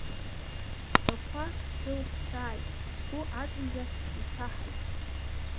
Сдақәа сылԥсааит, сгәы аҵанӡа иҭаҳаит…